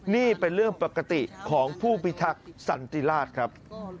นี่เป็นเรื่องปกติของผู้พิทักษ์สันติราชครับ